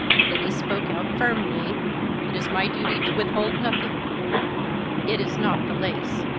Then he spoke out firmly: "It is my duty to withhold nothing. It is not the lace.